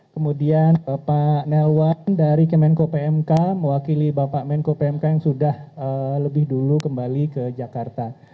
kemudian bapak nelwan dari kemenko pmk mewakili bapak menko pmk yang sudah lebih dulu kembali ke jakarta